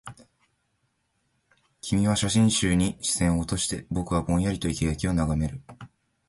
君は写真集に視線を落として、僕はぼんやりと生垣を眺める